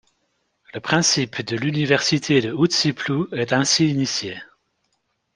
Le principe de l'université de Houte-Si-Plou est ainsi initié.